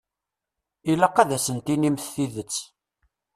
Ilaq ad sen-tinimt tidet.